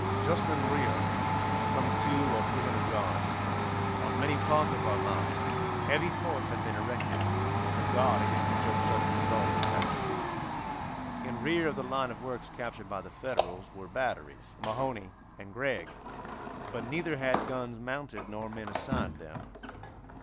Just in rear, some two or three hundred yards, on many parts of our line, heavy forts had been erected to guard against just such results as had ensued. In rear of the line of works captured by the Federals were batteries Mahone and Gregg, but neither had guns mounted nor men assigned them.